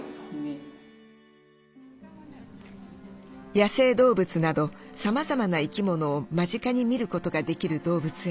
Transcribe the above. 野生動物などさまざまな生き物を間近に見ることができる動物園。